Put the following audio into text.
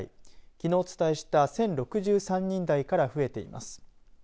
きのうお伝えした１０６３人台から増えています。